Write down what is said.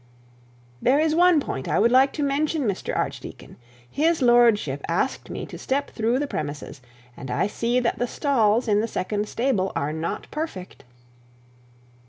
'There is one point I would like to mention, Mr Archdeacon. His lordship asked me to step through the premises, and I see that the stalls in the second stable are not perfect.'